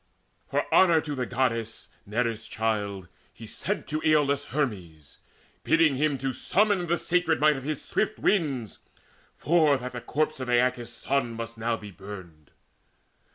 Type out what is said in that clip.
For honour to the Goddess, Nereus' child, He sent to Aeolus Hermes, bidding him Summon the sacred might of his swift winds, For that the corpse of Aeacus' son must now Be burned.